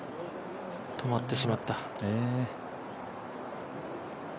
止まってしまった。